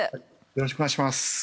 よろしくお願いします。